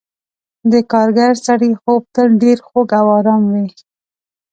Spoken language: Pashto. د کارګر سړي خوب تل ډېر خوږ او آرام وي.